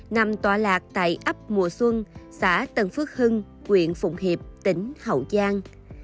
nằm tọa lạc tại ấp mùa xuân xã tân phước hưng quyện phụng hiệp tỉnh hậu giang